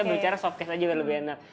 biasanya softcase aja lebih enak